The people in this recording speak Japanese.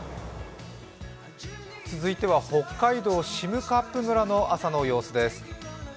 続いては北海道占冠村の朝の様子です。